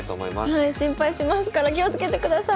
心配しますから気をつけてください。